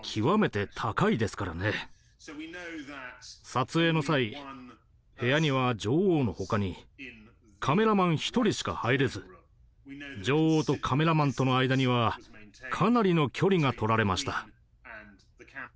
撮影の際部屋には女王のほかにカメラマン１人しか入れず女王とカメラマンとの間にはかなりの距離がとられました。